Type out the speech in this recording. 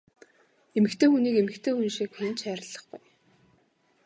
Эмэгтэй хүнийг эмэгтэй хүн шиг хэн ч хайрлахгүй!